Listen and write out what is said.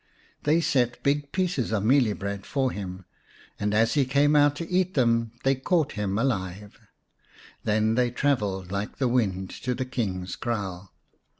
They set big pieces of mealie bread for him, and as he came out to eat they caught him alive. Then they travelled like the wind to the King's kraal.